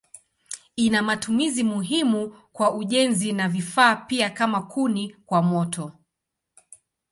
Ina matumizi muhimu kwa ujenzi na vifaa pia kama kuni kwa moto.